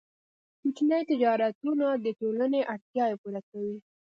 کوچني تجارتونه د ټولنې اړتیاوې پوره کوي.